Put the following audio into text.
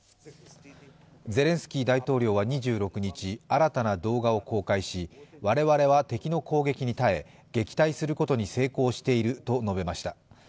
ゼレンスキー大統領は２６日、新たな動画を公開し、我々は敵の攻撃に耐え撃退することに成功していると述べました。